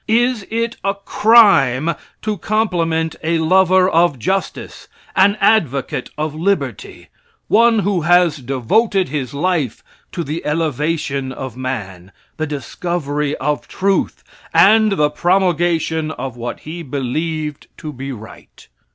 Is it a crime to compliment a lover of justice, an advocate of liberty; one who devoted his life to the elevation of man, the discovery of truth, and the promulgation of what he believed to be right?